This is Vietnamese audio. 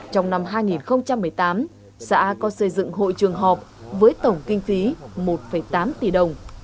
trong năm hai nghìn một mươi tám xã có xây dựng hội trường họp với tổng kinh phí một tám tỷ đồng